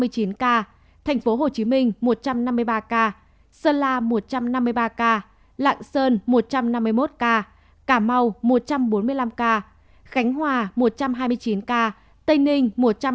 thành phố hồ chí minh một trăm năm mươi ba ca sơn la một trăm năm mươi ba ca lạng sơn một trăm năm mươi một ca cà mau một trăm bốn mươi năm ca khánh hòa một trăm hai mươi chín ca tây ninh một trăm hai mươi sáu ca